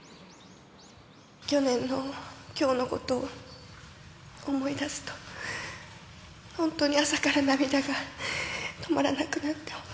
去年のきょうのことを思い出すと、本当に朝から涙が止まらなくなって。